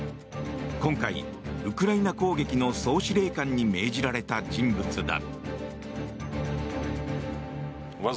今回、ウクライナ攻撃の総司令官に命じられた人物だ。